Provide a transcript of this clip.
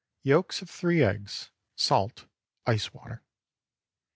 Yolks of 3 eggs. Salt. Ice water.